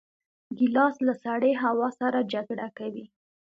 ګیلاس له سړې هوا سره جګړه کوي.